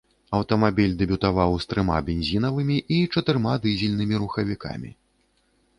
Аўтамабіль дэбютаваў з трыма бензінавымі і чатырма дызельнымі рухавікамі.